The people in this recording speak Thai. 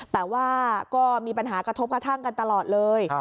แต่ว่าก็มีปัญหากระทบกระทั่งกันตลอดเลย